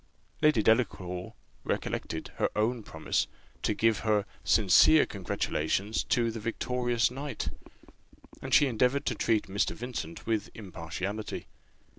Lady Delacour recollected her own promise, to give her sincere congratulations to the victorious knight; and she endeavoured to treat Mr. Vincent with impartiality.